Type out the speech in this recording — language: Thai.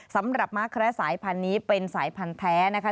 ม้าแคระสายพันธุ์นี้เป็นสายพันธุ์แท้นะคะ